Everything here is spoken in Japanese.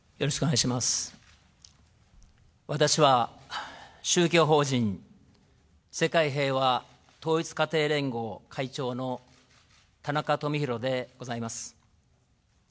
私は宗教法人世界平和統一家庭連合会長の田中富広でございます。